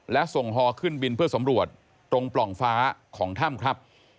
และส่งฮอขึ้นบินเพื่อสำรวจตรงปล่องฟ้าของถ้ำครับ